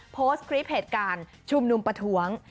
เป็นเหตุการณ์ชุมนุมประถวง